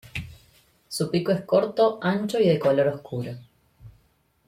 Su pico es corto, ancho y de color oscuro.